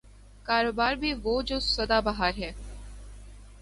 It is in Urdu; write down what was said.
کاروبار بھی وہ جو صدا بہار ہے۔